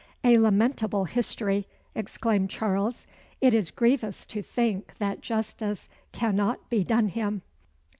"A lamentable history," exclaimed Charles. "It is grievous to think that justice cannot be done him."